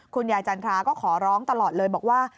จันทราก็ขอร้องตลอดเลยบอกว่า